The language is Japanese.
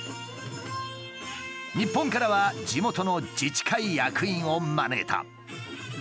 日本からは地元の自治会役員を招いた。